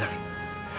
tau gak ya